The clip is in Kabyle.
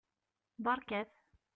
Beṛkat!